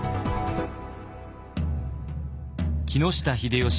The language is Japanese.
木下秀吉